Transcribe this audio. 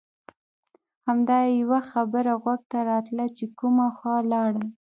همدا یوه خبره غوږ ته راتله چې کومه خوا لاړل.